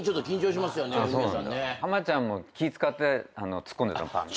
浜ちゃんも気ぃ使ってツッコんでた。